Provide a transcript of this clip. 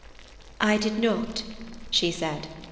"I did not," she said.